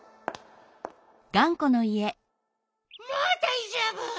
もうだいじょうぶ！